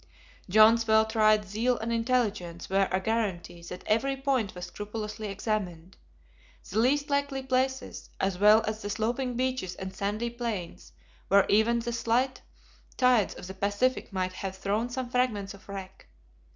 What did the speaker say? John's well tried zeal and intelligence were a guarantee that every point was scrupulously examined, the least likely places, as well as the sloping beaches and sandy plains where even the slight tides of the Pacific might have thrown some fragments of wreck.